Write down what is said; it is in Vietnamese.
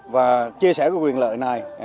và chia sẻ quyền lợi này